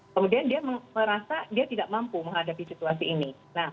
kemudian dia merasa dia tidak mampu menghadapi situasi ini